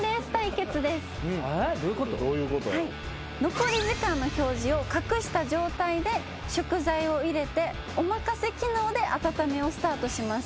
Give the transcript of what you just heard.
残り時間の表示を隠した状態で食材を入れておまかせ機能で温めをスタートします。